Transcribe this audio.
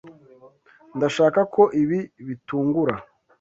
Ndashaka ko ibi bitungura.